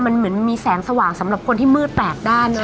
มันเหมือนมีแสงสว่างสำหรับคนที่มืดแปดด้านเนอ